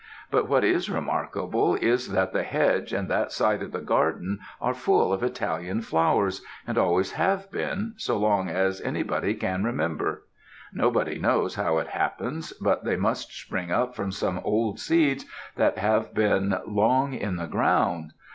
But what is remarkable is, that the hedge and that side of the garden are full of Italian flowers, and always have been so as long as anybody can remember. Nobody knows how it happens, but they must spring up from some old seeds that have been long in the ground.